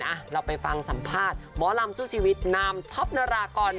อ่ะเราไปฟังสัมภาษณ์หมอลำสู้ชีวิตนามท็อปนารากร